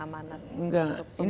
amanat untuk pemimpin